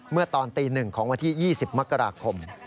เมื่อตอนตี๑ของวันที่๒๐มกราคม